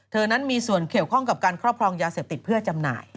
นั้นมีส่วนเกี่ยวข้องกับการครอบครองยาเสพติดเพื่อจำหน่าย